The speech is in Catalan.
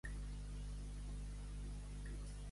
Engronsar-se com un cascavell.